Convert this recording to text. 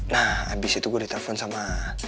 nah abis itu gue ditelepon sama